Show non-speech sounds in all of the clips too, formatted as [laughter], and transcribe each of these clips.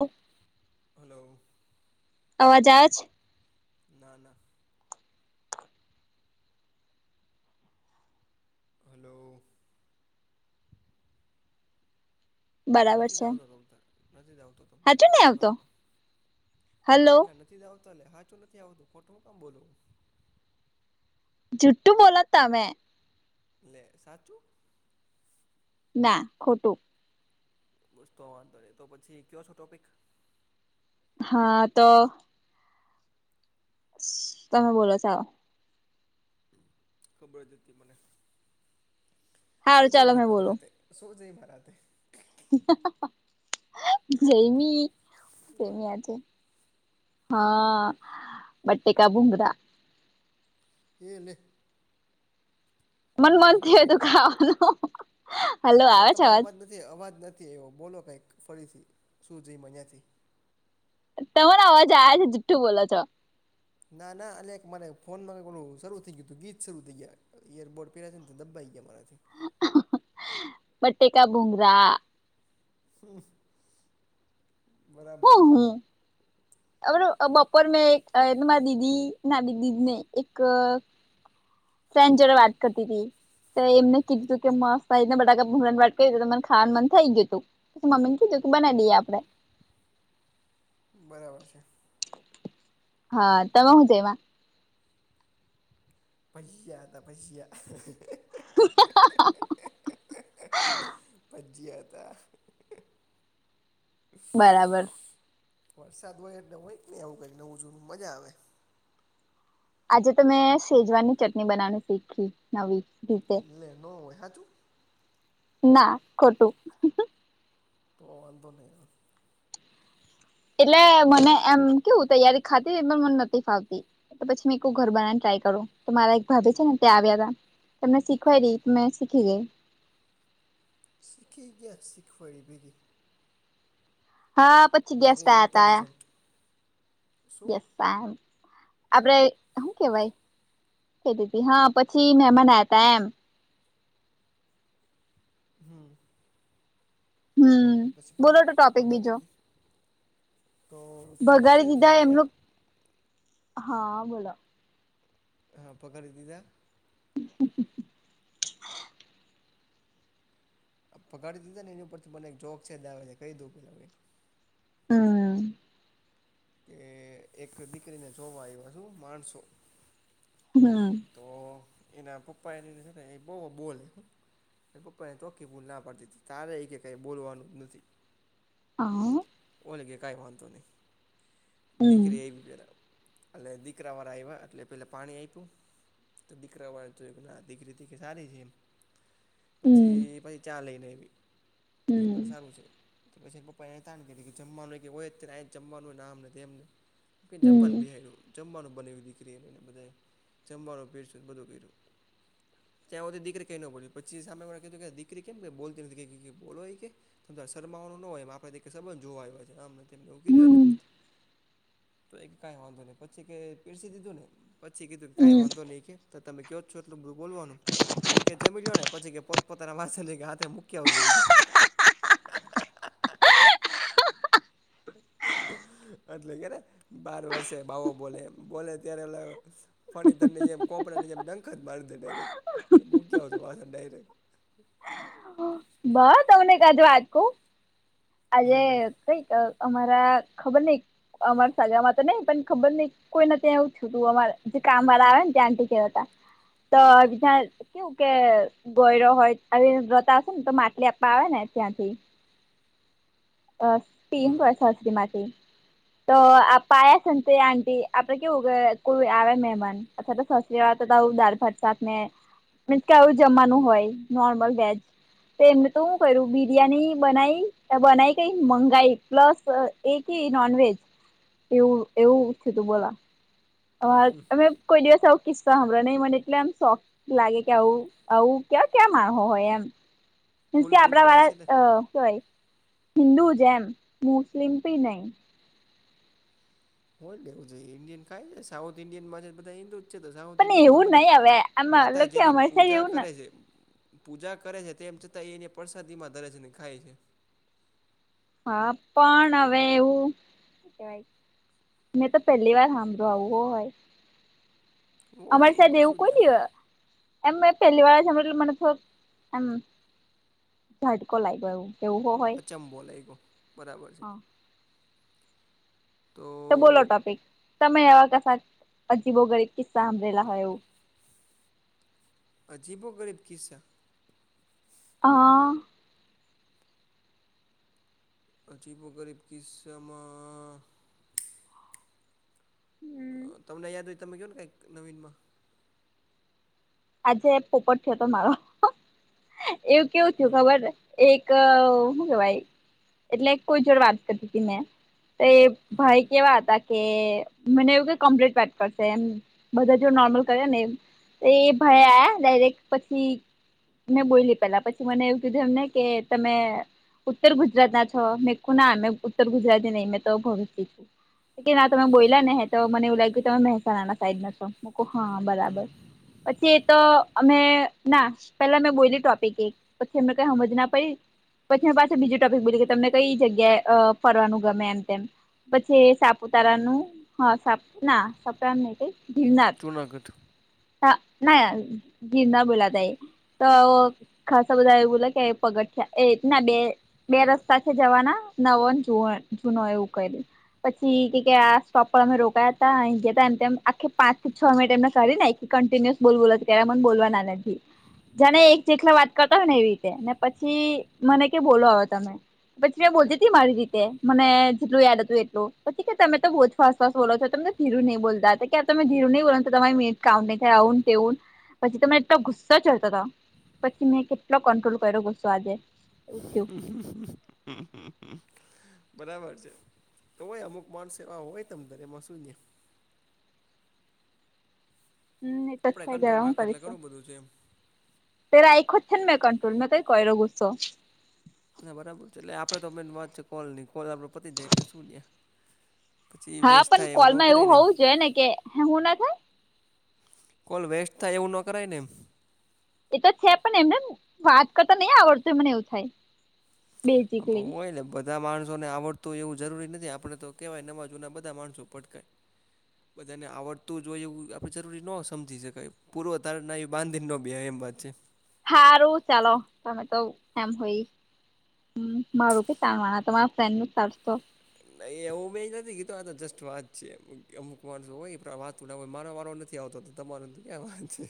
ઓ hello અવાજ આવે છે ના ના હાલો બરાબર છે નથી [unintelligible] હાચું નઈ કરો આવતો હાલો [unintelligible] હાચું નથી આવતું ખોટું હૂ કામ બોલું જુ્ટુ બોલે તમેં લે સાચું ના ખોટું બસ તો વાંધોની તો પછી કયો છે ટોપિક હા તો તમે બોલો ચાલો ખબર હતી મને સારું ચાલો મેં બોલું [unintelligible] જયમી હા બટેકા ભુંંગરા એ લે મને મન હલો થયું તું ખાવાનું હલો ના આવે છે તમારો અવાજ નથી અવાજ નથી આયવો બોલો કાંઈક ફરીથી શું જયમા અહીંયાથી તમારો અવાજ આવે છે જીઠ્ઠું બોલો છો ના ના અને એક મારે ફોનમાં પેલું શરૂ થઈ ગયું અતું ગીત શરૂ થઈ ગયા યર બોર્ડ પેરા છે તો દબ્બાઈ ગયા મારાથી બટેકા ભુંંગરા બરાબર હું છે બપોર મેં એક મારા દીદી ના દદીને એક [unintelligible] જોડે વાત કરતી અતી તો એમને કીધીધું કે મસ્ને બટાકા ભુંગરા ની વાત કરી ત મને ખાવાનુ મન થઈ ગય હતું મમ્મી કીધું બનાવી દઈએ આપડે બરાબર છે હા તમે હું જવા પૈ્યા હતા પૈસ્યા [inaudible] ભજજયા હતા બરાબર વરસાદ હોય એટલે હોય નઈ આવું કઈક નવું જૂનું મજા આવે આજે તો મેં સેજવાનની ચટણી બનાવવાનું શીખી નવી રીતે લે ન હ તું ના કટું તો આવ વાંધ નહી એટલે મને એમ કેવું તૈયારી ખાતી એ પણ મને નથી ફાવતી તો પછી મેં ઘર બનાવાને ટ્રાય કરુ તો મારા એક ભાભી છે ને ત્યાં આવ્યા હતા તમને શીખવાયડી મેં શીખી ગઈ સીખી કે સીખવાડી ભેગી હા પછી ગેસ્ટ વેરી આવ ત આ ઇન્ટેલિજન્ટ શું ય સા આપડે હુ કેવાય ક દી હા પછી મહેમાન આવ હતા એમ હમ્મ હમ્મ પછી પગ પગાડી દી તો ભગાડી સોશિયલ દીધા મીડિયા એમનું હા બોલો હા પકડી દીધા [inaudible] પગાડી દીધા ને એની ઉપરથી મને એક જોક છે જ દ આવે છે કયડું પેલા હમ્મ કે એક દીકરીને જોવા આયવા હો માણસો હ તો એના પપ્પા એને છે ને એ બ બોલ એ પપ્પાને ચોખી ભૂલ ના પાડતી હતી તારે એ કે કંઈ બોલવાનું જ નથી હા હ લગે કા વાંધો નહીં હમ વિખરે એવી પહેરાવો એટલે દીકરા વાળા આવ્યા એટલે પેલા પાણી આપ્યું તો દીકરા વાળ તો કે ના દીકરી દીકરી સારી છે એમ હમ પછી પછી ચા લઈને હમ એ સારું છે પછી પ કે કે જમવાનું કે હોય જ જમવાનું નામ નથી એમને હમ જમવાનું બિહાડ્યું જમવાનું બને દીકરીને એને બધા જમવાનું પેરને બધું કર્યું ત્યાં તો દીકરી કઈ ન બોલ્યું પછી સામે કીધું કે દીકરી કેમ બોલતી નથી બોલોય કે શરમાવવાનું ન હોય આપણા તકે સંબંધ જોવા આવ્યો છે આમ તેમને એવું કીધું ને હમ તો એક કઈ વાંધો નહી પછી કે પીરસી દીધું ને પછી કીધું કે કાઈ હમ વાંધો નહીં કે તમે કહો છો એટલ બોલવાનું તો કે જમી લ ને પછ પો પોતાના વાસની ગાતે મૂકી આવું આવજો હ એટલે કે બાર વર્ષે ભાવો બોલે એ બોલે ત્યારે ફણી તરને જેમ કોપડાને જેમ ડંખ જ મારી દે ડાયરેક્ટ કે મૂક્યા આવ તો વા ડાયરેક્ટ બસ તમને કજ વાત કઉ આજે હમ કઈક અમારા ખબર નહિ અમાર સાગરામાં તો નહિ પણ ખબર નહી કોઈને ત્યાં એવું છતું અમા જે કામ વાળા આવેને ત્યાંતા તો બ કેવું કે ગોયરો હોય આવી વ્રતા હશે ને તો માટલી આપવા આવે ને ત્યાંથી અ સ્પીન હમ કો [unintelligible] માટે તો આ પાયા સંતે આંટી આપડે કેવું કોઈ આવે મહેમાન અથવા તો સાસરીવાળા તો તો આવું દાળ-ભાત, શાકને મીન્સ કે આવું જમવાનું હોય, નોર્મલ વેજ. તો એમને તો હુ કર્યું, બિરિયાની બનાઈ અ બનાઈ તીન મંગાઈ પ્લસ એ કી નોનવેજ, એવું એવું થયું તું બોલો. અ અમે કોઈ દિવસ આવું કિસ્સા હમરા ની મલે એટલે એમ શોક લાગે કે આવું આવું કયાં ક્યાં માણહો હોય એમ. મિન્સ ફૂલ કે ફૂલમાં આપડાવાળા હશે ને અ હુ હોય હિન્દૂ જેમ મુસ્લિમ બી નઈ. ફોલ દેવું જોઈએ, ઈન્ડિયન ખાય સાઉથ ઇન્ડિયનમાં છે ઈ બધા હિન્દૂ છે તો સાઉથ પણ ઈન્ડિયનમાં એવું બધા નહી હવે આમાં માતા મતલબ કે જેની અમારી સાઈડ પૂજા એવું ન કરે છે પૂજા કરે છે તેમ છતાં એ એને પરસાદીમાં ધરે છે ને ખાય છે. હા, પણ અવે એવું શું કેવાય મે તો પહેલીવાર હાભળ્યું આવું હોય. અમારી હોય સાઈડ એમાં એવું શું કોઈ ત્યાં દીવ એમ મે પહેલીવાર [unintelligible] એટલે મને થોડુક એમ ઝાટકો લાગ્યો એવું. એવુ હો હોય. બોલાઈ ગયું બરાબર છે. હા તો તો બોલો ટોપિક, તમે એવા કશાક અજીબો ગરીબ કિસ્સા હાભળેલા હોય એવું. અજીબો ગરીબ કીસ્સા? હન. અજીબો ગરીબ કિસ્સામાં હમ અ તમને યાદ હોય તમે કયોન કાઈક નવીનમાં આજે પોપટ થયો તો મારો એવું કેવું થયું હમ ખબર એક શું કેવાય એટલે કોઈ જોડ વાત કરતી તી મે એ ભાઈ કેવા હતા કે મને એવું કે કમ્પ્લીટ વાત કરશે એમ બધા જોડ નોર્મલ કરેન એમ એ ભાઈ આયા ડાયરેક્ટ પછી મે બોયલી પેલા પછી મને એવું કીધું એમને કે તમે ઉત્તર ગુજરાતના છો? મેકુ ના મે ઉત્તર ગુજરાતી નઈ મે તો ભરૂચથી છુ. એ કે ના તમે બોયલાને હે તો, મને એવું લાયગુ તમે મહેસાણાના સાઈડના છો. મેકૂ હા, બરાબર પછી એ તો અમે નાસ, પેલા મે બોયલી ટોપીક ટિકિટ પછી એમને કઈ હમજ ના પડી પછી મે પાછી બીજું ટોપિક બોલી ગઈ તમને કઈ જગ્યાએ અ ફરવાનું ગમે એમ-તેમ પછી એ સાપુતારાનું હા સાપ ના સાપતારાન નઈ કઈ ગિરનાર જૂનાગઢ હઅ, ના ગિરનાર બોલ્યા તા એ તો ખાસા બધા એવુ બોલા કે પગથીયા એક ના બે બે રસ્તા છે જવાના, નવો ન જુવો જૂનો એવું કર્યુ પછી કે કે આ સ્ટોપ પર અમે રોકાયા તા, અહી ગયાતાન તેમ આખી પાંચ થી છ મિનિટ એમને કાઢી નાઈ થી કન્ટિન્યુઅસ બોલ-બોલ જ કરે મન બોલવા ના નધી, જાને એક જેટલા વાત કરતા હોય ને એવી રીતે, ને પછી મને કે બોલો અવે તમે પછી મે બોલ તી મારી રીતે મને જેટલું યાદ હતું એટલુ, પછી કે તમે તો બોજ ફાસ-ફાસ બોલો છો, તમને ધીરુ નઈ બોલતા તા કે, આ તમે ધીરુ નઈ બોલવાનું કે તમારી મિનિટ કાઉન્ટ નઈ થયા આવુન-તેવુન પછી તો મે એટલો ગુસ્સો ચઢતો તો કી મે કેટલો કન્ટ્રોલ કરયો ગુસ્સો આજે એવુ થયું. [inaudible] બરાબર છે, તો હોય અમુક માણસો એવા હોય તમ તારે એમાં શું છે. હમ, એ તો આપણે છે જ અવે કંટ્રોલ હુ રાખો એટલે કરીશું? ઘણું બધું છે એમ તે રાયખો છે ન મે કંન્ટ્રોલ મેં કઈ કર્યો ગુસ્સો ના, બરાબર છે એટલે આપડે તો મેન વાત છે કોલની કોલ આપડો પતી જાય એટલે શું ન્યા. પછી હા, વેસ્ટ પણ થાય ન કોલમાં કરાય એવું ને એમ હોવું જોઈએ ને કે, હે હું ના થાય. કોલ વેસ્ટ થાય એવું નો કરાય ને એમ એ તો છે પણ એમ ને એમ વાત કરતા નઈ આવડશે મને એવું થાય. હ પ બેઝિકલી હુ હોય ને બધ ધા માણસોને આવડતું‌ હોય એવું જરૂરી નથી, આપણે તો કહેવાય નવા જૂના બધા માણસો પટકાય. બધાને આવડતું જ ઓય એવું આપડે જરૂરી નો સમજી શકાય પૂર્વ તારણાએ બાંધીન નો બે એમ વાત છે. હારું, ચાલો તમે તો એમ હોય હ, મારું ભી કામ આવે તામારા ફ્રેન્ડનું કરશો નઈ એવું મે નથી કીધું આ જસ્ટ વાત છે, અમુક વર્ડ્સ હોય વાતછૈ. થોડા ઓય મારો વારો નથી આવતો તો તમારો તો ક્યાં વાત છે.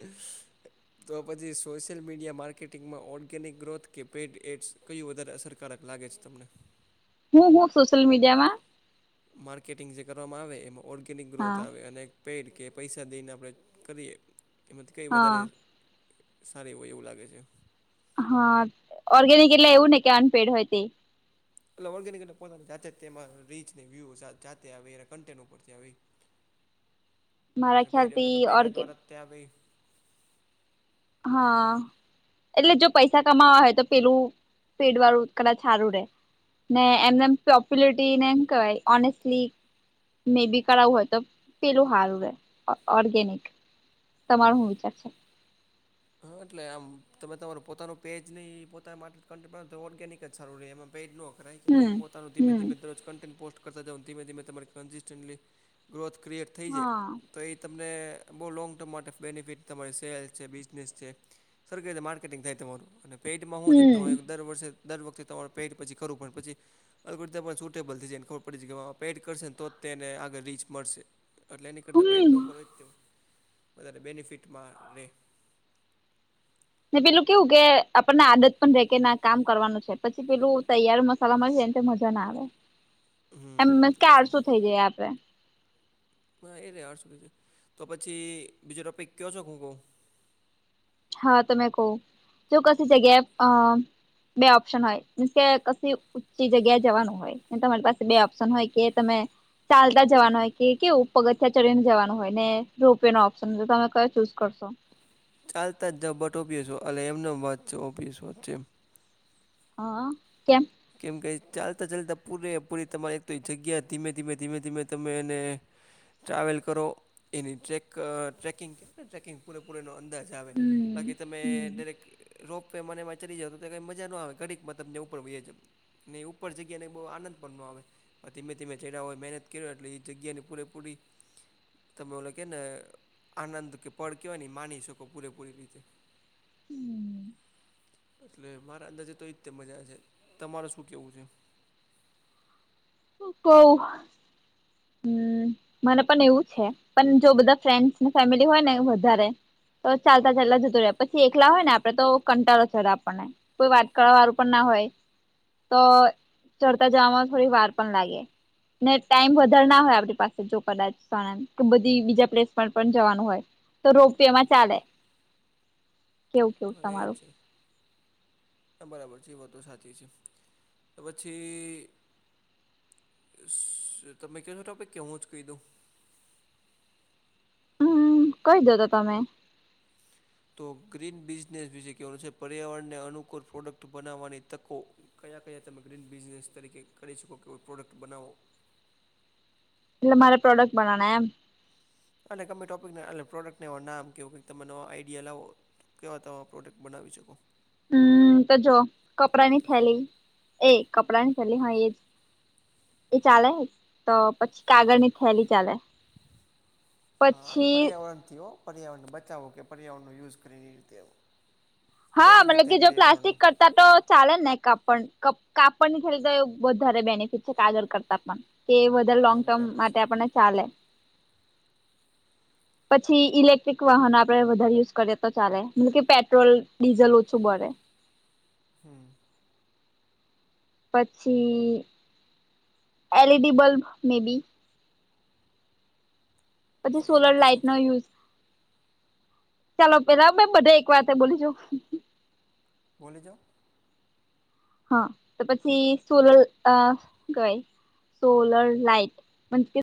હ, તો પછી સોશિયલ મીડિયા માર્કેટિંગમાં ઓર્ગેનિક ગ્રોથ કે પેઇડ એડ્સ. કયું વધારે અસરકારક લાગે છે તમને? હું હું સોશલ મીડિયામાં માર્કેટિંગ જે કરવામાં આવે એમાં ઓર્ગેનિક ગ્રોથ હા આવે અને પેઇડ કે પૈસા દેયને આપણે કરીએ એમાંથી કઈ હા વધારે સારી ઓય એવું લાગે છે. હા, ઓર્ગેનિક એટલે એવું ને કે અનપેઈડ હોય તે એટલે ઓર્ગેનિકને એટલે પોતાની જાતે જ તેમાં રીચ ને વ્યૂસ જા જાતે આવે એના કન્ટેન્ટ ઉપરથી આવે ઈ મારા ખ્યાલથી ઓર્ગેન ત્યાં બેફ હા, એટલે જો પૈસા કમાવા હોય તો પેલું પેઈડ વાળું કદાચ હારું રે ને એમ ને એમ પોપ્યુલરિટી ને હું કેવાય ઓનેસ્ટલી મે બી કરાવું હોય તો પેલું હારું રે ઓ ઓર્ગેનિક તમારો હું વિચાર છે? હ, એટલે આમ તમે તમારું પોતાનું પેજ નઈ પોતા માટે કન પ તો ઓર્ગેનિક જ સારું રેય એમાં પેઈડ નો રાઈ કયા હમ ગીયો, પોતાનું ધીમે હમ ધીમે દરોજ કં પોસ્ટ કરતા જવો ધીમે ધીમે તમારી કન્સિસ્ટન્ટલી ગ્રોથ ક્રિએટ થઈ જાય. હા તો એ તમને બો લોંગ ટર્મ માટે બેનિફિટ તમારી સેલ છે બી નેસ છે સરખે રીતે માર્કેટિંગ થાય તમારું અને પેઇટમાં હું છે હમ તો દર વર્ષે દર વખતે તમારું પેઈટ પછી ખરું પણ પછી અવે કુરતા પર સૂટેબલ થઈ જાય ને ખબર પડી જાય કે પેટ કરશે ને તો જ તેને આગળ રીચ મળશે. એટલે એની કરતાં પેડ હમ ન કરો એજ કેવું વધારે બેનિફિટમાં રે ને પેલું કેવું કે આપણને આદત પણ રે કે ના કામ કરવાનું છે, પછી પેલું તૈયાર મસ સલામ એ મજા ના આવે એમ કે હમ એ છે આરશુ થઈ જયે આપડે. નાઈરે આઠ‌ સુધી છે તો પછી બીજો ટોપિક કીયો છોક હું કઉ હા, તો મે કઉ તો કશે જગ્યાએ અ બે ઓપ્શન હોય મીન્સ કે કસ્સે ઊચ્ચી જગ્યાએ જવાનું હોય. તમારી પાસે બે ઓપ્શન હોય કે તમે ચાલતા જવાનું હોય કે કેવું પગથિયા ચડીને જવાનું હોય ને રોપવેનો ઓપ્શન તમે કયો ચૂઝ કરશો? ચાલતા જ ધબોટોપીશુ અલે એમનો વાત છે ઓપીસો છે એમ હ, કેમ? કેમ કે ચાલતા ચાલતા પૂરે પૂરી તમારે એક તો જગ્યા ધીમે ધીમે ધીમે ધીમે તમે એને ટ્રાવેલ કરો એની ચેક ચેકિંગ કેને ચેકિંગ પૂરેપૂરો એનો અંદાજ જ આવે હમ બાકી તમે ડાયરેક રોપવેમા ને એમા ચરી જાવ તો ત્યા કાઈ મજા નો આવે ઘડીકમાં તમને ઉપર વયા જાય ને ઉપર બોઉ આનંદ પણ નો આવે અ ધીમે ધીમે ચયડા ઓય મહેનત કરો એટલે એ જગ્યાની પૂરેપૂરી તમે ઓલો કે ને આનંદ કે પડ કેવાય માની શકો પૂરેપૂરી રીતે હમ એટલે મારા અંદાજે તો એતે મજા છે તમારે શું કેવું છે કવ હમ મને પણ એવું છે પણ જો બધા ફ્રેન્સને ફેમિલી હોય ને વધારે તો ચાલતા ચાલતા જતોું રહે પછી એકલા હોય ને આપડે તો કંટાળો ચડ આપણને કોઈ વાત કરવા વાળું પણ ના હોય તો ચડતા જવાવામાં થોડી વાર પણ લાગે ને ટાઈમ બ ધરણા હોય આપણી પાસે જો કદાચ બધી બીજા પ્લેસ પર પણ જવાનું હોય તો રોપિયામાં ચાલે કેવું કેવું થ તમારું છે હા બરાબર છે એ વા તો સાચી છે તો પછી તમે ક છો ટોપે કેવું જ કીધું હમ કઈ દો હતો તમે તો ગ્રીન બિઝનેસ વિશે કહેવાનું છે પર્યાવરણને અનુકૂળ પ્રોડક્ટ બનાવવાની તકો કયા કયા તમે ગ્રીન બિઝનેસ તરીકે કરી શકો કે પ્રોડક્ટ બનાવો એટ મારે પ્રોડક્ટ બ એટલે તમે ટોપિક એટલે પ્રોડક્ટને એ નામ કેવું તમે આઈડિયા લાવો તો કેવા તમે પ્રોડક્ટ બનાવી શકો હમ તો જો કપડાંની થેલી એ કપડાં ની થેલી હા એજ એ ચાલે તો પછી કાગળ ની થેલી ચાલે હા એટલે પછી પર્યાવરણથીઓ પર્યાવરણને બચાવો કે પર્યાવરણનો યુઝ કરીને એ રીતે આવો હા મતલબ કે જો પ્લાસ્ટિક તો ચાલે ન કપણ કપ કપડ ની થોડી તો બહુ ધારે બેનિફિટ છે કાજળ કરતા પણ કે વધારે લોંગ હા ટર્મ બરાબર માટે છે આપણને ચાલે પછી ઇલેક્ટ્રિક વાહન આપડે વધારે યુઝ કરીએ તો ચાલે મતલબ કે પેટ્રોલ ડીિઝલ ઓછું બર હમ પછી એલઈડી બલ્બ મે બી પછી તો સોલર એનાથી શું લાઈટ નો થાય યુઝ ચાલો પેલા બધા એક વાત બોલીશું. બોલે જા હા તો પછી સોલલ કવાય સોલર લઇટ